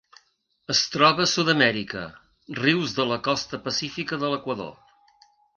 Es troba a Sud-amèrica: rius de la costa pacífica de l'Equador.